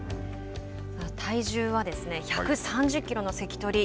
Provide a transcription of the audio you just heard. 体重は１３０キロの関取。